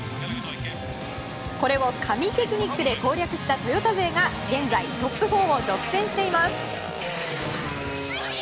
これを神テクニックで攻略したトヨタ勢が現在、トップ４を独占しています。